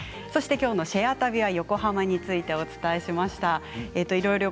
きょうの「シェア旅」は横浜についてお伝えしました。